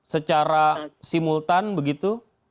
secara simultan begitu